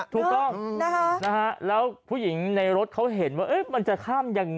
ถูกต้องแล้วผู้หญิงในรถเขาเห็นว่ามันจะข้ามยังไง